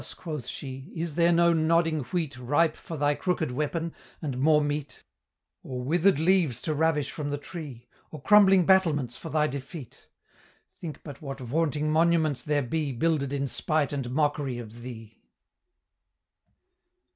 quoth she, "is there no nodding wheat Ripe for thy crooked weapon, and more meet, Or wither'd leaves to ravish from the tree, Or crumbling battlements for thy defeat? Think but what vaunting monuments there be Builded in spite and mockery of thee."